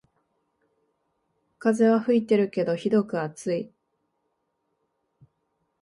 風は吹いてるけどひどく暑い